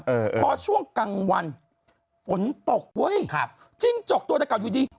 เพราะช่วงกลางวันผลตกเว้ยครับจิ้งจกตัวแต่เกาดดอยุดี